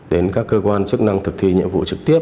đến các cơ quan chức năng thực thi nhiệm vụ trực tiếp